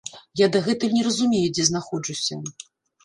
Я дагэтуль не разумею, дзе знаходжуся.